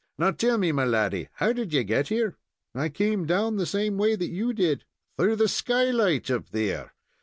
Now tell me, my laddy, how did you get here?" "I come down the same way that you did." "Through the skylight up there?